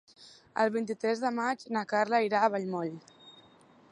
El vint-i-tres de maig na Carla irà a Vallmoll.